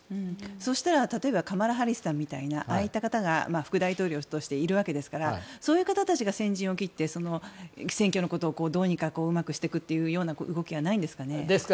そしたらカマラ・ハリスさんみたいな方が副大統領でいるわけですからそういう方たちが先陣を切って選挙のことをどうにかうまくしていくという動きはないんでしょうか。